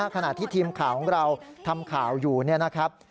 ขณะที่ทีมข่าวของเราทำข่าวอยู่เนี่ยนะครับ